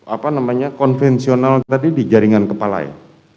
apa namanya konvensional tadi di jaringan kepala ya